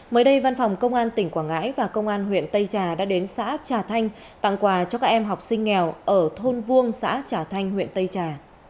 mới đây văn phòng công an tỉnh quảng ngãi và công an huyện tây trà đã đến xã trà thanh tặng quà cho các em học sinh nghèo ở thôn vuông xã trà thanh huyện tây trà